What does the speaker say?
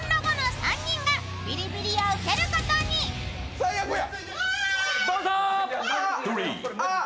最悪や。